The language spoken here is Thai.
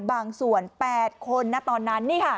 บางส่วน๘คนตอนนั้นนี่ค่ะ